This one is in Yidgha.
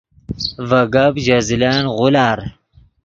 ڤے گپ ژے زلن غولار